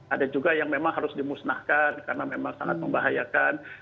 ada juga yang memang harus dimusnahkan karena memang sangat membahayakan